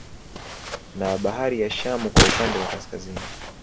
Na bahari ya Shamu kwa upande wa Kaskazini